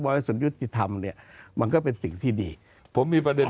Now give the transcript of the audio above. ให้ส่วนยุติธรรมเนี่ยมันก็เป็นสิ่งที่ดีผมมีประเด็น